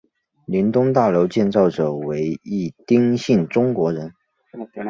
林东大楼建造者为一丁姓中国人。